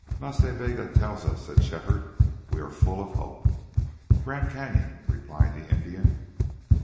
"Nas Ta Bega, tell us," said Shefford. "We are full of hope." "Grand Cañon," replied the Indian.